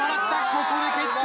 ここで決着！